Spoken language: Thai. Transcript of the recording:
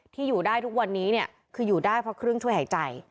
ที่อยู่ได้ทุกวันนี้เนี่ยคืออยู่ได้เพราะเครื่องช่วยหายใจ